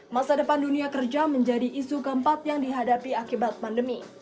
masa depan dunia kerja menjadi isu keempat yang dihadapi akibat pandemi